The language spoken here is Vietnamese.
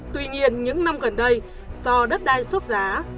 tuy nhiên những năm gần đây do đất đai sốt giá